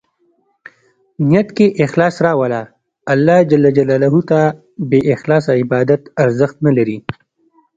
نیت کې اخلاص راوله ، الله ج ته بې اخلاصه عبادت ارزښت نه لري.